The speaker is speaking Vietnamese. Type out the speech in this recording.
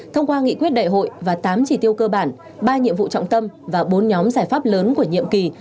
thông qua nghị quyết đại hội và tám chỉ tiêu cơ bản ba nhiệm vụ trọng tâm và bốn nhóm giải pháp lớn của nhiệm kỳ